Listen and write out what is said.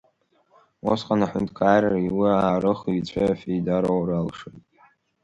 Усҟан аҳәынҭқарреи, уи аарыхыҩцәеи афеида роур алшоит.